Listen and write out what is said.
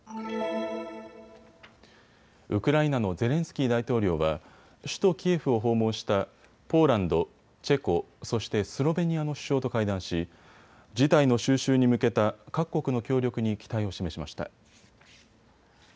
ウクライナのゼレンスキー大統領は首都キエフを訪問したポーランド、チェコ、そしてスロベニアの首相と会談し事態の収拾に向けた各国の協力に期待を示しました。